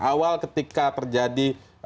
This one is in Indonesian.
awal ketika terjadi kubu munas bali itu